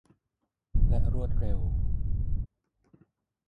และรวดเร็ว